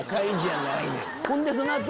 ほんでその後。